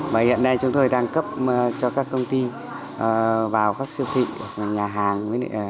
mà hiện nay chúng tôi đang cấp cho các công ty vào các siêu thị nhà hàng